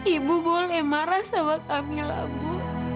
ibu boleh marah sama kamilah bu